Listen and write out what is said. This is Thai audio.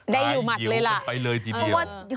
ได้อยู่หมดเลยละ